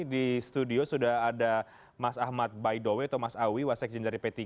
di studio sudah ada mas ahmad baidowe atau mas awi wasakjen dari p tiga